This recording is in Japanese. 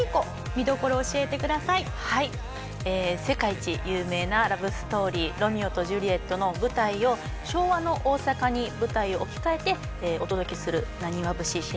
世界一有名なラブストーリー『ロミオとジュリエット』の舞台を昭和の大阪に舞台を置き換えてお届けする浪花節